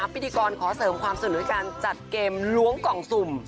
พิธีกรขอเสริมความสนุกในการจัดเกมล้วงกล่องสุ่ม